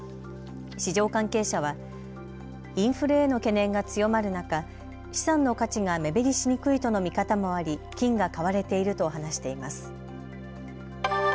市場関係者はインフレへの懸念が強まる中、資産の価値が目減りしにくいとの見方もあり金が買われていると話しています。